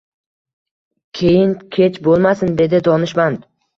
Keyin kech bo`lmasin, dedi donishmand